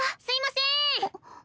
すいません！